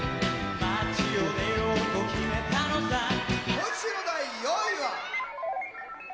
今週の第４位は。